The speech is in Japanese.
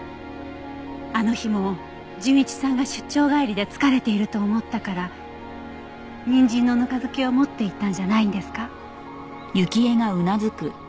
あの日も純一さんが出張帰りで疲れていると思ったからにんじんのぬか漬けを持っていったんじゃないんですか？